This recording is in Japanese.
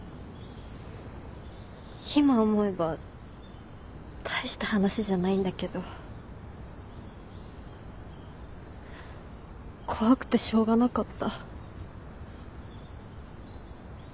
今思えば大した話じゃないんだけど怖くてしょうがなかった。